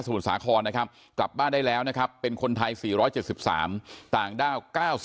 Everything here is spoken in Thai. มุทสาครนะครับกลับบ้านได้แล้วนะครับเป็นคนไทย๔๗๓ต่างด้าว๙๐